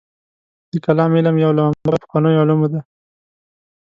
د کلام علم یو له عمده او پخوانیو علومو دی.